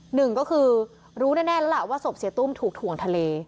หนึ่งก็คือรู้แน่แล้วล่ะว่าศพเสียตุ้มถูกถ่วงทะเล